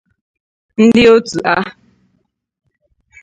ndị òtù a